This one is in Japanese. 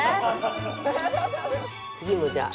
次もじゃあ。